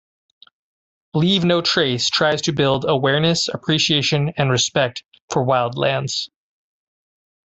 Leave No Trace tries to build awareness, appreciation and respect for wildlands.